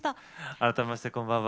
改めましてこんばんは。